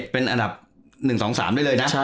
เป็นอันดับ๑๒๓ได้เลยนะ